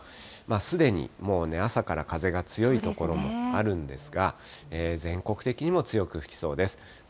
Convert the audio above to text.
すでにもう朝から風が強い所もあるんですが、全国的にも強く吹きそうです。